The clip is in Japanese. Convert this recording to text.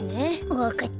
わかった。